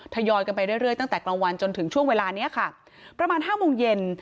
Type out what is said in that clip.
ทยอยกันไปเรื่อยตั้งแต่กลางวันจนถึงช่วงเวลานี้ค่ะประมาณห้าโมงเย็น